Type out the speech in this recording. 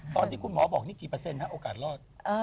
ตอนที่คุณหมอบอกนี่กี่เปอร์เซ็นฮะโอกาสรอด